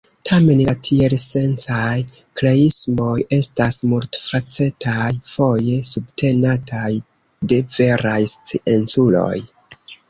Tamen la tielsencaj kreismoj estas multfacetaj, foje subtenataj de veraj scienculoj.